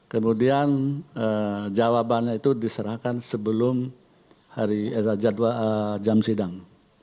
kemudian jawabannya itu diserahkan sebelum jam sidang